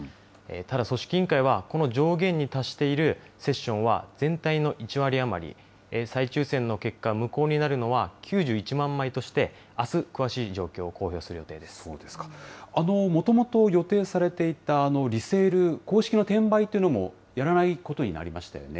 ただ組織委員会は、この上限に達しているセッションは全体の１割余り、再抽せんの結果、無効になるのは９１万枚として、あす、詳もともと予定されていたリセール、公式の転売というのも、やらないことになりましたよね。